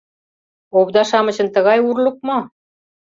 Овда-шамычын тыгай урлык мо?